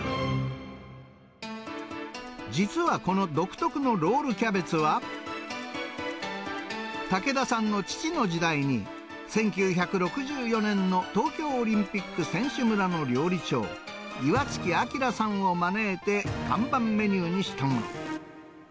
実はこの独特のロールキャベツは、竹田さんの父の時代に、１９６４年の東京オリンピック選手村の料理長、岩月明さんを招いて看板メニューにしたもの。